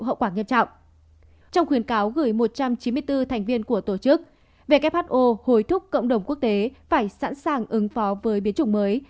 trong khuyến cáo gửi một trăm chín mươi bốn thành viên của tổ chức who hối thúc cộng đồng quốc tế phải sẵn sàng ứng phó với biến chủng mới